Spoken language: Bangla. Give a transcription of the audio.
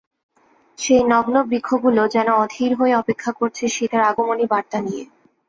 সেই নগ্ন বৃক্ষগুলো যেন অধীর হয়ে অপেক্ষা করছে শীতের আগমনী বার্তা নিয়ে।